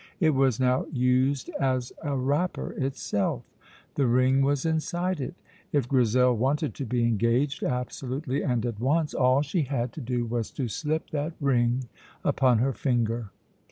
it was now used as a wrapper itself. The ring was inside it. If Grizel wanted to be engaged, absolutely and at once, all she had to do was to slip that ring upon her finger.